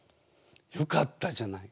よかったじゃない。